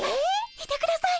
いてください